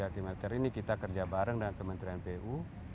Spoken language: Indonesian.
tiga km ini kita kerja bareng dengan kementerian pu